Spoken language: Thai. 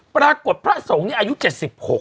ปรากฏพระสงฆ์นี้อายุเจ็ดสิบหก